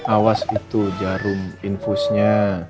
awas itu jarum infusnya